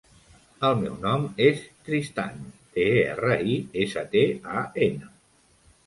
El meu nom és Tristan: te, erra, i, essa, te, a, ena.